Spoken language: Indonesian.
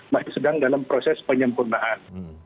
masih sedang dalam proses penyempurnaan